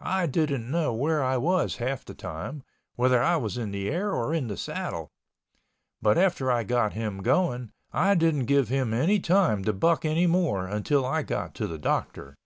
I didn't know where I was half the time—whether I was in the air or in the saddle. But after I got him going, I didn't give him any time to buck anymore until I got to the doctor.